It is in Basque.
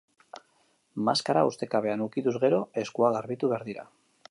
Maskara ustekabean ukituz gero, eskuak garbitu behar dira.